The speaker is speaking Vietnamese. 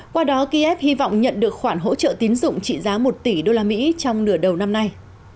qua đó kyiv hy vọng nhận được khoản hỗ trợ tín dụng trị giá một tỷ đô la mỹ trong nửa đầu năm nay